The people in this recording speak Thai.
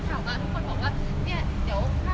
ไม่ใช่นี่คือบ้านของคนที่เคยดื่มอยู่หรือเปล่า